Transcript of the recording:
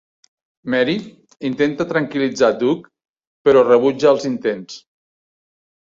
Mary intenta tranquil·litzar Duke, però rebutja els intents.